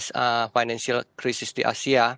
sejak krisis finansial di asia